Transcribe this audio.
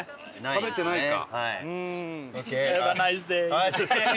食べてないか。